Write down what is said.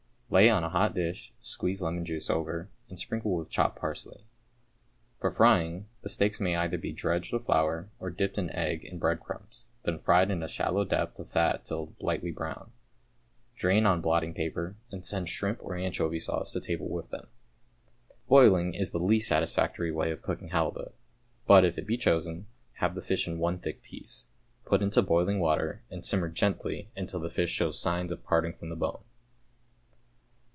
Lay on a hot dish, squeeze lemon juice over, and sprinkle with chopped parsley. For frying, the steaks may be either dredged with flour, or dipped in egg and breadcrumbs, then fried in a shallow depth of fat till lightly brown. Drain on blotting paper, and send shrimp or anchovy sauce to table with them. Boiling is the least satisfactory way of cooking halibut, but if it be chosen, have the fish in one thick piece. Put into boiling water, and simmer gently until the fish shows signs of parting from the bone.